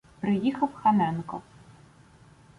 Приїхав Ханенко.